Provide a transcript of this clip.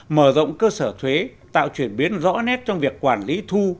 mở rộng cơ sở thuế tạo chuyển biến rõ nét trong việc quản lý thu